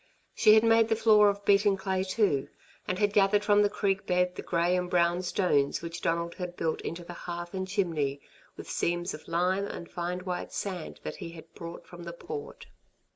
She had made the floor of beaten clay too, and had gathered from the creek bed the grey and brown stones which Donald had built into the hearth and chimney with seams of lime and fine white sand that he had brought from the Port.